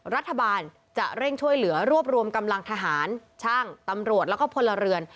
รัฐบาลจะเร่งช่วยเหลือรวบรวมกำลังทหารช่างตำรวจแล้วก็พลเรือน